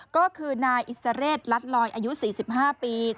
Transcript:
ก็คือนายอิสระเรศลัดลอยอายุ๔๕ปี